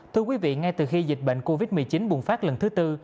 thưa quý vị ngay từ khi dịch bệnh covid một mươi chín bùng phát lần thứ tư